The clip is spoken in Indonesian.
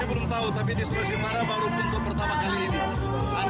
dia belum tahu tapi di sebesar besar baru untuk pertama kali ini